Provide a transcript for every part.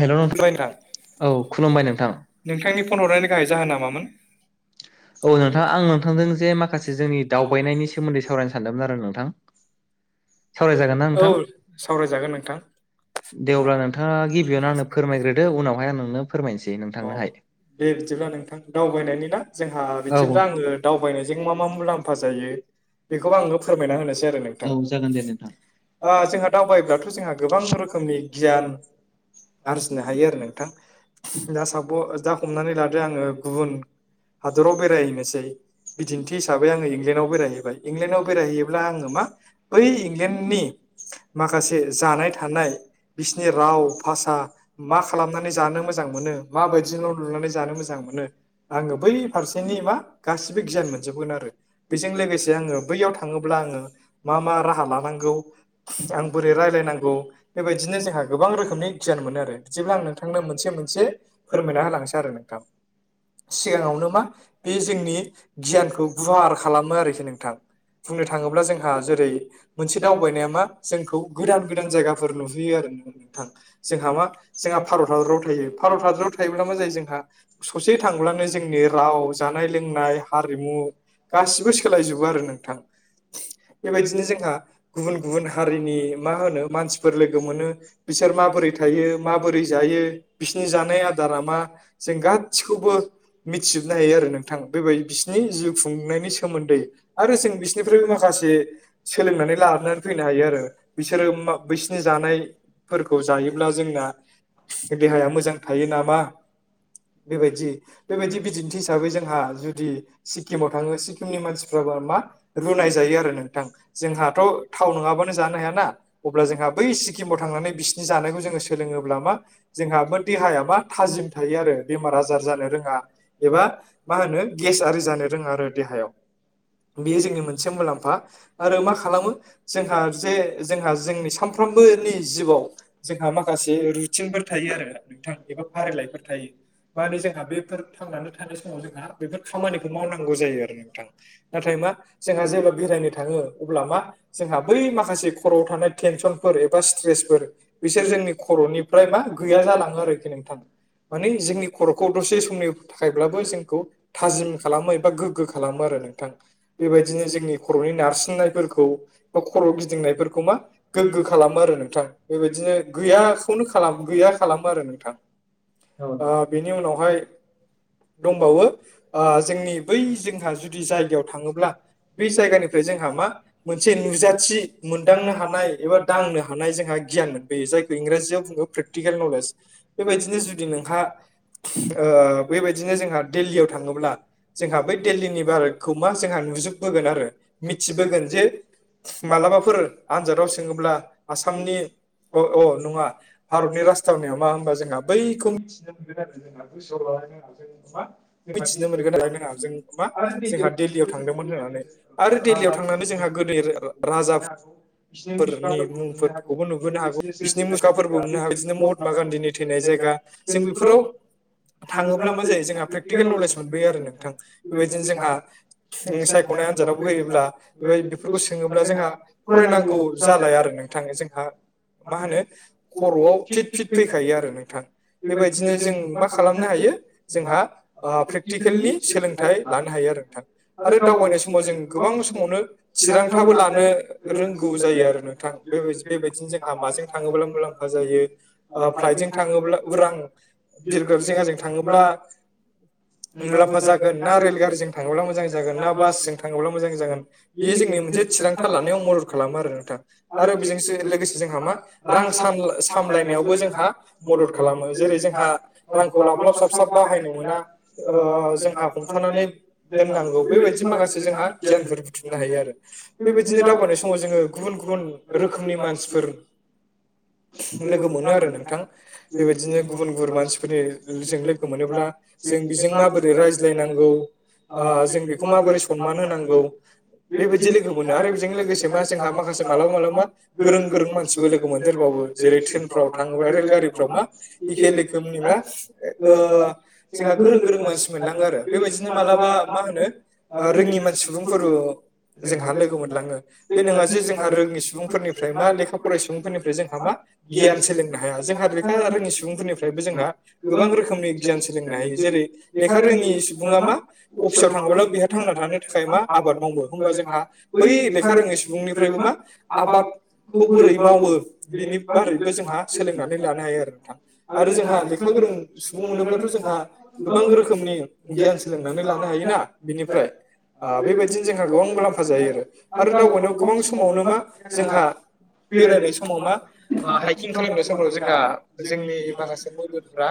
हेल' औ खुलुमबाय नोंथां खुलुमबाय नोंथां नोंथांनि फन हरनायनि गाहाय जाहोना मामोन औ नोंथां आं नोंथांजों जे माखासे जोंनि दावबायनायनि सोमोन्दै सावरायनो सानदोंमोन आरो नोंथां सावराय जागोन ना नोंथां औ सावरायजागोन नोंथां दे अब्ला नोंथाङा गि बेयावनो आंनो फोरमायग्रदो उनावहाय आं नोंनो फोरमायनोसै अ नोंथांनोहाय दे बिदिब्ला नोंथां दावबायनायनि ना जोंहा औ बिदिब्ला आङो दावबायनायजों मा मा मुलाम्फा जायो बेखौबो आङनो फोरमायना होनोसै आरो नोंथां औ जागोन दे नोंथां जोंहा दावबायायोब्लाथ' जोंहा गोबां रोखोमनि गियान आरजिनो हायो आरो नोंथां दा साब जाा हमनानै लादो आङो गुबुन हादराव बेरायहैनोसै बिदिन्थि हिसाबै आङो इंलेण्डआव बेरायहैबाय इंलेण्डआव बेरायहैयोब्ला आङो मा बै इंलेण्डनि माखासे जानाय थानाय बिसनि बिसिनि राव र भाषा मा खालामनानै जानो मोजां मोनो माबायदिल' लुनानै जानो मोजां मोनो आङो बै फारसेनि मा गासिबो गियान मोनजोबगोन आरो बेजों लोगोसे आङो बैयाव थाङोब्ला आङो मा मा राहा लानांगौ आं बोरै रायलायनांगौ बेबायदिनो जोंहा गोबां रोखोमनि गियान मोनो आरो बिदिब्ला आं नोंथांनो मोनसे मोनसे फोरमायना होलांसै आरो नोंथां सिगाङावनो मा बे जोंनि गियानखौ गुवार खालामो आरोखि नोंथां बुंनो थाङोब्ला जोंहा जेरै मोनसे दावबायनाया मा जोंखौ गोदान गोदान जायगाफोर नुहैयो आरो नोंथां जोंहा मा जोंहा भारत हादराव थायो भारत हादराव थायोब्ला मा जायो जोंहा ससे थांब्लानो जोंनि राव जानाय लोंनाय हारिमु गासिबो सोलायजोबो आरो नोंथां बेबायदिनो जोंहा गुबुन गुबुन हारिनि मा होनो मानसिफोर लोगो मोनो बिसोर माबोरै थायो माबोरै जायो बिसोरनि जानाया मा जों गाैखौबो मिथिजोबनो हायो आरो नोंथांा बेबायदि बिसिोरनि जिउ खुंनाय सोमोन्दै आरो जों बिसोरनिफ्रायबो माखासे सोलोंनानै लानानै फैनो हायो आरो बिसोर आरो बैसिनि जानाय फोरखौ जाय अब्ला जोंना देहाया मोजां थायो नामा बेबायदि बेबायदि बिदिन्थि हिसाबै जोंहा जुदि सिक्किमाव थाङो सिक्किमनि मानसिफ्राबो मा रुनाय जायो आरो नोंथां जोंहाथ' थाव नङाबानो जानो हायाना अब्ला जोंहा बै सिक्किमाव थांनानै बिसिनि जानायखौ जोङो सोलोङोब्ला मा जोंहा म देहाया मा थाजिम थायो आरो बेमार आजार जानो रोङा एबा मा होनो गेस आरि जानो रोङा आरो देहा थायाव बेयो जोंनि मोनसे मुलाम्फा आरो मा खालामो जोंहा जे जोंहा जोंनि सामफ्रोम सानफ्रोमबोनि जिबआव जोंहा माखासे रुथिनफोर थायो आरोा नोंथां एबा फारिलाइफोर थायो माने जोंहा बेफोर थांनानै थानाय समाव जोंहा बेफोर खामानिखौ मावनांगौ जायो। आरो नोंथां नाथाय मा जोंहा जेब्ला बेरायनो थाङो अब्ला मा जों ब माखसे खर'आव थानाय टेनसनफोर एबा स्ट्रेसफोर बिसोर जोंनि खर'निफ्राय मा गैया जालाङो आरोखि न थां माने जोंनि खर'खौ दसे समनि थाखायब्लाबो जोंखौ थाजिम खालामो एबा गोग्गो खालामो आरो नोंथां बेबायदिनो जोंनि खर'नि नारसिननायफोरखौ बा खर' गिदिंनायफोरखौ मा गोग्गो खालामो आरो नोंथां बेबायदिनो गैयाखौनो खालाम गैया खालामो आरो नोंथां बेनि उनावहाय दंबावो जोंनि बै जोंहा जुदि जायगायाव थाङोब्ला बे जायगानिफ्राय जोंहा मा मोनसे नुजाथि मोनदांनो हानाय एबा दांनो हानाय जोंहा गियान मोनबोयो जायखौ इंराजियाव बुङो प्रेकटिकेल नलेज बेबायदिनो जुदि नोंहा बेबायदिनो जोंहा दिल्लीयाव थाङोब्ला जोंहा बै दिल्लीनि भारतखौ मा जोंहा नुजोबबोगोन आरो मिथिबोगोन जे मालाबाफोर आनजादाव सोङोब्ला आसामनि अ अ नङा भारतनि राजथावनियाव मा होनोमबा जों बैखौ मिथिनो मोनगोन आरो जोंहा गोसोआव लानानैाजों मा मिथिनो मोनगोन नङा जों मा जोंहा दिल्लीयाव थांदोंमोन होननानै आरो दिल्लीयाव थांनानै जोंहा गोदै राजा फोरनि मुंफोरखौबो नुबयो ो ह बिसोरनि मुखाफोरफोरखौबो हमनो हागौ बिदिनो महात्मा गान्धीनि थैनाय जायगा जों बेफोराव थाङोब्ला मा जायो जोंहा प्रे प्रेकटिकेल नलेज मोनबोयो आरो नोंथां बेबायदिनो जोंहा सायख'नाय आनजादाव होयोब्ला बेबाय बेफोरखौ सोङोब्ला जोंहा फरायनांगौ जालाय आरो नोंथाङा जोंहा मा होनो खर'आव फिट फिट फैखायो आरो नोंथां बेबायदिनो जों मा खालामनो हायो जोंहा प्रेकटिकेलनि सोलोंथाइ लानो हायो आरो नोंथां आरो दावबायनाय समाव जों गोबां समावनो चिरांथाबो लानो रोंगौ जायो आरो नोंथां बे बेबायदिनो जों हलामाजों थाङोब्ला मुलाम्फा जायो फ्लाइटजों थाङोब्ला उरां बिरग्राब जायगाजों थाङोब्ला [inaudible] मुलाम्फा जागोन ना रेलगारिजों थाङोब्ला मोजां जागोन ना बासजों थाङोब्ला मोजां जागोन बेयो जोंनि मोनसे थिरांथा लानायाव मदद खालामो आरो नोंथां आरो बेजोंसो जोंहा मा रां सायनायावबो जोंहा मदद खालामो जेरै जोंहा नंखौ लाब लाब साबसाब बाहाय जोंहा हमथानानै दोननांगौ बेबायदि माखासे जोंहा गियानफोर बुथुम आरो बेबायदिनो दावगनाय समाव जोङो गुबुन गुबुन रोखोमनि मानसिफोर [inaudible] लोगो मोनो आरो नोंथां बेबायदिनो गुबुन गुबुन मानसिफोरनि जजों लोगो मोनोब्ला जों बेजों माबोरै रायज्लायनांगौ जों बेखौ माबोरै सनमान होनांगौ बेबायदि लोगो मोनो आरो बेजों लोगोसे मा जोंहा माखासे मालाबा मालाबा गोरों गोरों मानसिबो लोगो मोनदेरबावो जेरै ट्रेनफ्राव थाङोबा रेलगारिफ्राव मा एखे लोगोनि आ जोंहा गोरों गोरों मानसि मोनलाङो आरो बेबायदिनो मालाबा मा होनो रोङि मानसि सुबुंफोर जोंहा लोगो मोनलाङो बे नङा जे जोंहा रोनि सुबुंफोरनिफ्राय मा लेखा फराय सुबुंफोरनिफ्राय जोंहा मा गियान सोलोंनो हाया जोंहा लेखा रोङि सुबुंफोरनिफ्रायबो जोंहा गोबां रोखोमनि गियान सो जेरै लेखा रोङि सुबङा मा अफिसाव थाङाब्ला बेहा थांना थानो थाखाय मा आबाद माव होनबा जोंहा बै लेखा रोङै सुबुंनिफ्रायबो मा आबाद खौ बोरै मावो बेनि बारैबो जोंहा सोलोंनानै लानो हायो आरो नोंथां आरो जोंहा लेखा गोरों सुबुं मोनोब्लाथ' जों जोंहा गोबां रोखोमनि गियान सोलोंनानै लानो हायोना बेनिफ्राय बेबायदिनो जोंहा गोबां मुलाम्फा जायो आरो आरो दावबायनायाव गोबां समावनो मा जोंहा बेरायनाय समाव मा हाइकिं खालामनाय समफ्राव जोंहा जोंनि माखासे मोदोमफोरा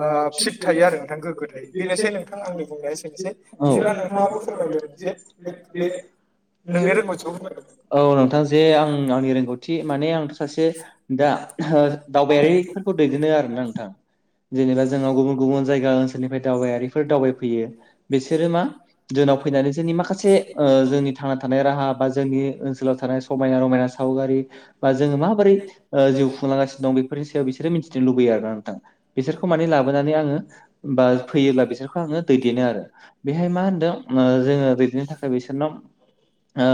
आ ओ फिट थायो आरो नोंथां गोग्गो थायो बेनोसै नोंथांा आंनि बुंनाया एसेनोसै बिबा नोंथाङाबो फोरमायदों जे बे नोंनि रोंगौथिखौ फोरमायदो औ नोंथां जे आं आं आंनि रोंगौथि माने आंथ' सासे दा दावबायारिफोरखौ दैदेनो आरोना नोंथां जेनेबा जोंनाव गुबुन गुबुन नि दावबायारिफोर दावबायफैयो बिसोरो मा जोंनाव फैनानै जोंनि माखासे जोंनि थांना थानाय राहा बा जोंनि ओनसोलाव थानाय समायना रमायना सावगारि बा जोङो माबोरै ओ जिउ खुंलांगासिनो दं बे बेनि सायाव बिसोरो मिथिनो लुबैयो आरो ना नोंथां बिसोरखौ माने लाबोनानै आङो बा फैयोब्ला बिसोरखौ आं दैदेनो आरो बेहाय मा होनदों जोङो दैदेननो थाखाय बिसोरनाव ओ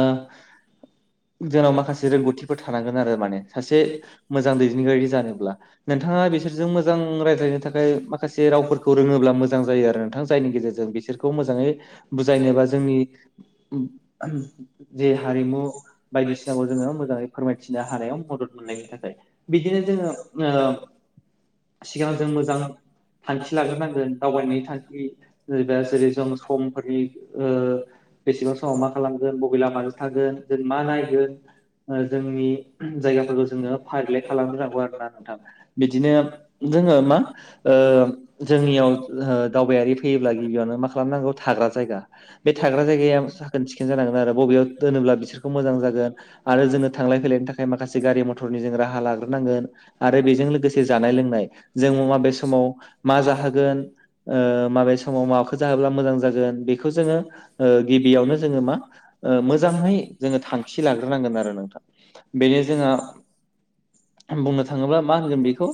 जोंनाव माखासे रोंगौथिफोर थानांगोन आरो माने सासे मोजां दैदेनगिरिारि जानोब्ला नोंथाङा बिसोरजों मोजां रायज्लायनो थाखाय माखासे रावफोरखौ रोङोब्ला मोजां जायो आरो नोंथां जायनि गेजेरजों बिसोरखौ मोजाङै बुजायनोबा जोंनि जे हारिमु बायदिसिनाखौ जोङो मोजाङै फोरमायथिनो हानायाव मदद मोननायनि थाखाय बिदिनो जोङो सिगां जों मोजां थांखि लाग्रोनांगोन दावबायनायनि थांखि जबा जेरै जों समफोरनि बेसेबां समाव मा खालामगोन बबे लामाजों थागोन जों मा नायगोन? ओ जोंनि जायगाफोरखौ जोङो फारिलाइ खालामग्रोनांगौ आरो ना नोंथां बिदिनो जों मा ओ जोंनियाव दावबायारि फैयोब्ला गिबियावनो मा खालामनांगौ थाग्रा जाय गा बे थाग्रा जायगाया साखोन सिखोन जानांगोन आरो बबेयाव दोनोब्ला बिसोरखौ मोजां जागोन आरो जोंङो थांलाय फैलायनि थाखाय माखासे गारि मथरनि जों राहा लाग्रोनांगोन आरो बेजों लोगोसे जानाय लोंनाय जों माबे समाव मा जाहोगोन माबे समाव माबाखौ जाहोब्ला मोजां जागोन बे जोङो गिबियावनो जोङो मा मोजांङै जोङो थांखि लागोन नांगोन आरो नोंथां बेनो जोंहा बुंनो थाङोब्ला मा होनगोन बेखौ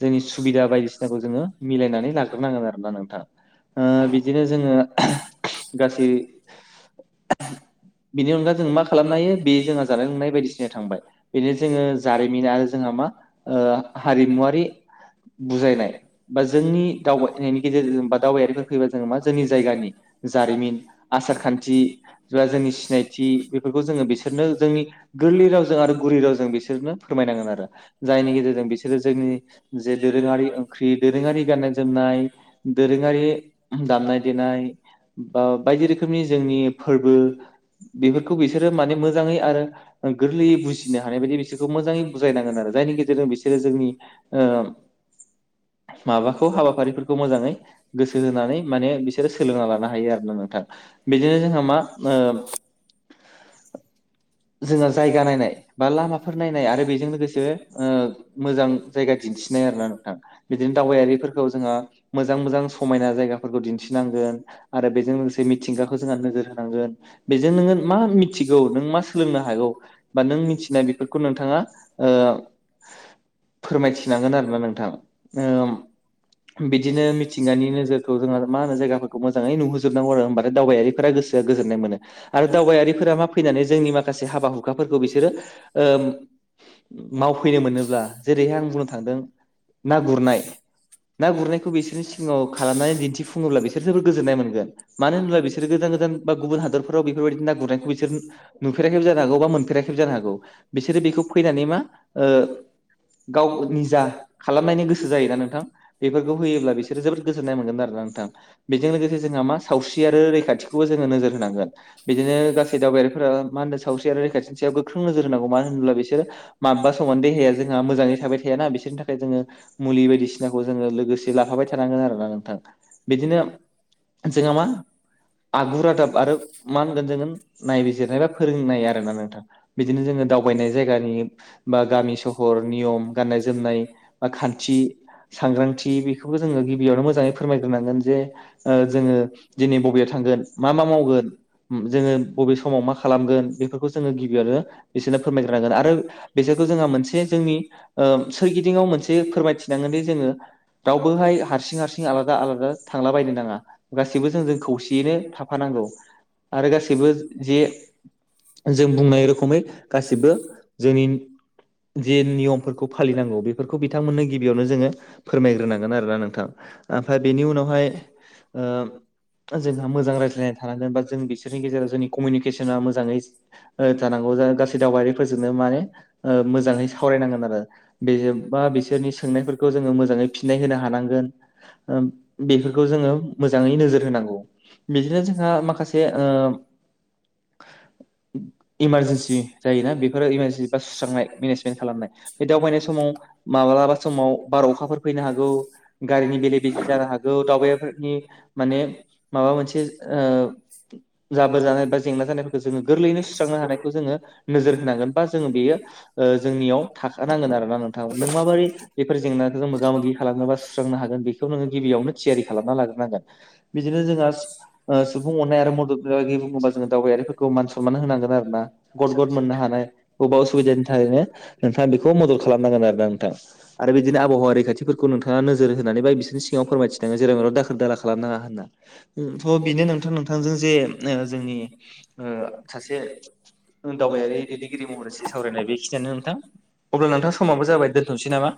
जोंनि सुबिदा बायदिसिनाखौ जोङो मिलायनानै लाग्रोनांगोन आरोना नोंथाङा ओ बिदिनो जोङो गासै बेनि अनगा जों मा खालामनो हायो बे जोंहा जानाय लोंनाय बायदिसिना थांबाय बेनो जोङो जारिमिन आरो जोंहा मा हारिमुआ [unintelligible] बुजायनाय बा जोंनि दावबायनायनि गेजेरजों बा दावबायारिफोर फैयोबा जोङो मा जोंनि जायगानि जारिमिन आसार खान्थि बा जोंनि सिनायथि बेफोरखौ जोङो बेसे बिसोरनो जोंनि गोरलै रावजों आरो गुरि रावजों बिसोरनो फोरमायनांगोन आरो जायनि गेजेरजों बिसोरो जोंनि जे दोरोङारि ओंख्रि दोरोङारि गाननाय जोमनाय दोरोङारि दामनाय बा बायदि रोखनि जोंनि फोरबो बेफोरखौ बिसोर माने मोजाङै आरो गोरलैयै बुजिनो हानाय बायदि बिसोरखौ मोजाङै बुजायनांगोन आरो जायनि गेजेरजों बिसोर जोंनि ओ माबाखौ हाबाफारिफोरखौ मोजाङै गोसो होनानै माने बिसोरो सोलोंना लानो हायो आरो ना नोंथां। बिदिनो जोंहा मा ओ जोङो जायगा नायनाय बा लामाफोर नायनाय आरो बेजों लोगोसे ओ मोजां जायगा दिन्थिन नै आरो ना नोंथां बिदिनो दावबायारिफोरखौ जोंहा मोजां मोजां समायना जायगाफोरखौ दिन्थिनांगोन। आरो बेजों लोगोसे मिथिंगाखौ जोंहा नोजोर होनांगोन बेजों नोङो मा मिथि गौ नों मा सोलोंनो हागौ बा नों मिथिनाय बेफोरखौ नोंथाङा ओ फोरमायथिनांगोन आरोना नोंथां। ओम बिदिनो मिथिंगानि नोजोरखौ जोंहा मा होनो जायगाफोरखौ मोजाङै नुहोजोबनांगौ आरो होमबाथाय दावबायारिफोरा गोसोआ गोजोननाय मोनो आरो दावबायारिफोरा मा फैनानै जोंनि माखासे हाबा हुखाफोरखौ बिसोरो ओम मावफैनो मोनोब्ला जेरैहाय आं बुंनो थांदों ना गुरनाय ना गुरनायखौ बिसोरनि सिङाङाव खालामनानै दिन्थिफुङोब्ला बिसोर जोबोर गोजोननाय मोनगोन। मानो होनोब बिसोरो गोदान गोदान बा गुबुन हादरफोराव बेफोरबायदि ना गुरनायखौ बिसोरनो नुफेराखैबो जानो हागौ बा मोनफेराखैबो जानो हागौ बिसोरो बेखौ फैनानै मा ओ गाव निजा खालामनायनि गोसो जायोना नोंथां बेफोरखौ होयोब्ला बिसोरो जोबोद गोजोननाय मोनगोन आरोना नोंथां। बेजों लोगोसे जोंहा मा सावस्रि आरो रैखाथिखौबो जोङो नोजोर होनांगोन बिदिनो गासै दावबायारि फोरा मा होनदो सावस्रि आरो रैखाथि सायाव गोख्रों नोजोर होनांगौ मानो होनोब्ला बिसोर माबबा समाव देहाया जों मोजाङै थाबाय थायाना बिसोरनि थाखाय जोङो मुलि बायदिसिनाखौ जोङो लोगोसे लाफाबाय थानांगोन ना नोंथां बे बेदिनो जोंहा मा आगुर रादाब आरो मा होनगोन जोङो नायबिजिर नायबा फोरोंनाय आरो ना नोंथां बिदिनो जोङो दावबायनाय जायगानि बा गामि सहर नियम गाननाय जोमनाय बा खान्थि सांग्रांथि बेखौबो जोङो गिबियावनो मोजाङै फोरमायग्रोनांगोन जे जे ओ जोङो दिनै बबेयाव थांगोन मा मा मावगोन जोङो बबे समाव मा खा खालामगोन बेफोरखौ जोङो गिबियावनो बिसोरनो फोरमायग्रनांगोन आरो बिसोरखौ जोंहा मोनसे जोंनि ओ सोरगिदिं आव मोनसे फोरमायथिनांगोन दि जोङो दाउ बोहाय हारसिं हारसिं आलादा आलादा थांलाबायायनो नाङा गासैबो जों जों खौसेयैनो थाफानांगौ। आरो गासैबो जे जों बुंनाय रखमै गासिबो जोंनि जे नियमफोरखौ फालिनांगौ बेफोरखौ बिथांमोननो गिबियावनो जोङो फोरमायग्रोनांगोन आरोना नोंथां। ओमफ्राय बेनि उनावहाय ओम जोंहा मोजां रायज्लायनाय थानांगोन बा जों बिसोरनि गेजेराव जोंनि कमिनिकेस जोङा मोजाङै ओ जानांगौ गासै दावबायारिफोरजोंनो माने मोजाङै ओ सावरायनांगोन आरो। बा बिसोरनि सोंनायफोरखौ जोङो मोजाङै फिननाय होनो हानांगोन उम बे बेफोरखौ जोङो मोजाङै नोजोर होनांगौ बिदिनो जोंहा माखासे ओ [inaudible] इमारजेन्सि जायोना बेफोर इमारजेन्सि बा सुस्रांनाय मेनेजमेन्ट खालामनाय बे दावबायनाय समाव आव माब्लाबा समाव बार अखाफोर फैनो हागौ गारिनि बेले बेजे जानो हागौ दावबायाफोर नि माने माबा मोनसे ओ जाबोर जानाय बा जेंना जानायफोरखौ जोङो गोरलैयैनो सुस्रांनो हानायखौ जोङो नोजोर होनांगोन बा जोङो बेयो जोंनियाव थाखा नांगोन आरो ना नोंथां नों माबोरै बेफोर जेंनाखौ जों मोगा मोगि खालामनोबा सुस्रांनो हागोन बेखौ नोङो गिबियाव थियारि खालामना लाग्रोनांगोन बिदिनो जोंहा ओ सुबुं अननाय आरो मदद लागै बुङोब्ला दावबायारिफोरखौ मान सनमान होनांगोन आरो ना गद गद मोननो हानाय बबेबा असुबिदानि थाखायनो नोंथाङा बेखौ मदद खालामनांगोन आरो ना नोंथां आरो बिदिनो आबहावा रैखाथिफोरखौ नोंथाङा नोजोर होनानै बाय बिसिनि सिगाङाव फो फोरमायथिनांगोन जेराव मेराव दाखोर दाला खालामनाङा होनना थ' बिनो नोंथां नोंथांजों जे ओ जोंनि ओ सासे ओ दावबायारि दैदेनगिरि महरै एसे सावरायनाया बेखिनियानो नोंथां। अब्ला नोंथां समाबो जाबाय दोन्थ'नोसै नामा?